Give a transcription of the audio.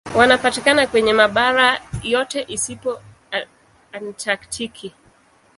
Wanapatikana kwenye mabara yote isipokuwa Antaktiki.